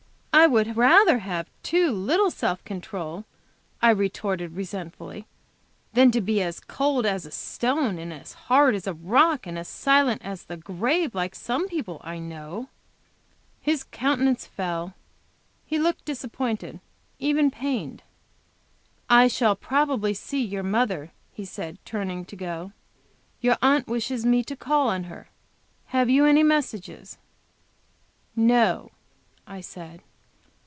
"I would rather have too little self control," I retorted, resentfully, "than to be as cold as a stone, and as hard as a rock, and as silent as the grave, like some people I know." His countenance fell; he looked disappointed, even pained. "I shall probably see your mother," he said, turning to go; "your aunt wishes me to call on her; have you any message?" "No," I said.